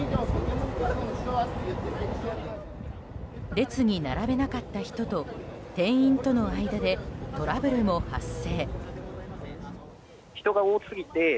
列に並べなかった人と店員との間でトラブルも発生。